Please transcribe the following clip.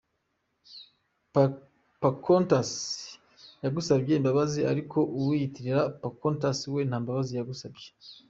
Pocahontas ngusabye imbabazi ariko uwiyitirira Pocahontas we nta mbabazi musabye.